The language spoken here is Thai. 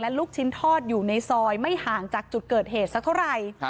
ลูกชิ้นทอดอยู่ในซอยไม่ห่างจากจุดเกิดเหตุสักเท่าไหร่